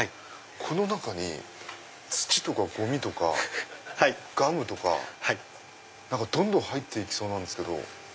この中に土とかゴミとかガムとかどんどん入って行きそうなんですけど。